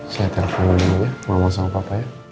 saya teleponin dulu ya ngomong sama papa ya